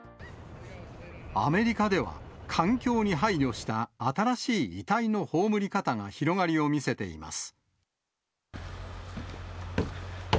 アメリカでは、環境に配慮した新しい遺体の葬り方が広がりを見せています。